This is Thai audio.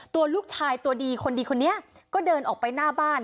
ตัวลูกชายตัวดีคนดีคนนี้ก็เดินออกไปหน้าบ้าน